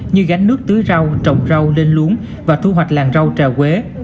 như gánh nước tưới rau trồng rau lên luống và thu hoạch làng rau trà quế